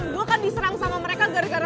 gue kan diserang sama mereka gara gara lo juga